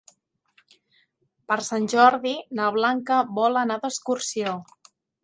Per Sant Jordi na Blanca vol anar d'excursió.